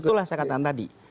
itulah saya katakan tadi